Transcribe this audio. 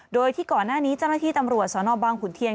โดยที่ก่อนหน้านี้เจ้าหน้าที่ตำรวจสนบางขุนเทียน